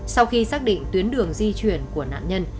sau khi xác định tuyến đường di chuyển của nạn nhân